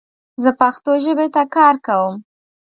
زه پښتو ژبې ته کار کوم